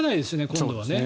今度はね。